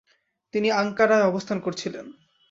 তিনি আঙ্কারায় অবস্থান করছিলেন।